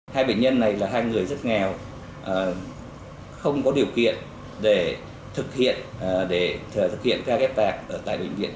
hai bệnh nhân này là hai người rất nghèo không có điều kiện để thực hiện ca ghép tạng tại bệnh viện